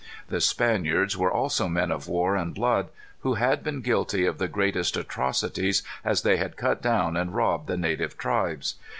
The Spaniards were also men of war and blood, who had been guilty of the greatest atrocities as they had cut down and robbed the native tribes.